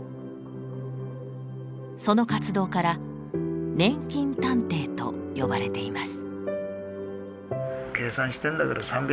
その活動から「年金探偵」と呼ばれています。